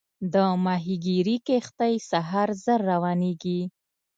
د ماهیګیري کښتۍ سهار زر روانېږي.